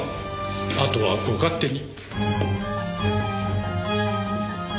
あとはご勝手に。